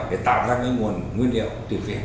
để tạo ra nguyên liệu tự nhiên